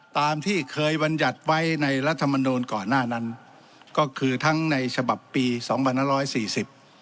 ตามที่เคยบรรยัติไว้ในรัฐมนูลก่อนหน้านั้นก็คือทั้งในฉบับปีสองพันห้าร้อยสี่สิบ